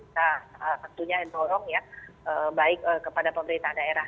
tentunya yang dorong ya baik kepada pemerintah daerah